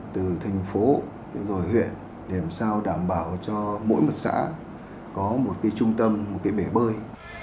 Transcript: từ thành phố rồi huyện để làm sao đảm bảo cho mỗi một xã có một cái trung tâm một cái bể bơi